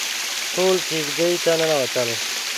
ټول کېږدۍ ته ننوتل.